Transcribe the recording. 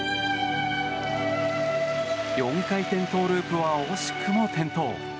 ４回転トウループは惜しくも転倒。